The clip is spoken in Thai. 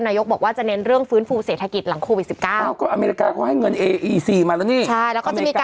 นายกบอกว่าจะเน้นเรื่องฟื้นฟูเสร็จฐกิจหลังโครวิด๑๙